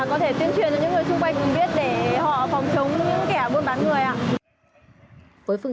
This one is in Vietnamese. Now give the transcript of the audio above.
và có thể tuyên truyền cho những người xung quanh cùng biết để họ phòng chống những kẻ mua bán người